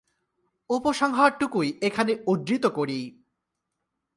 উপসংহারটুকুই এখানে উদ্ধৃত করি।